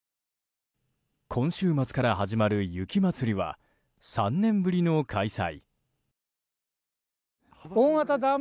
今週末から始まる雪まつりは３年ぶりの開催。